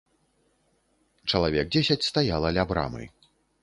Чалавек дзесяць стаяла ля брамы.